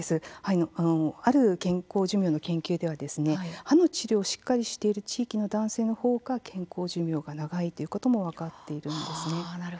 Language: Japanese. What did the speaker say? ある健康寿命の研究では歯の治療をしっかりしている地域の男性のほうが健康寿命が長いということも分かっているんですね。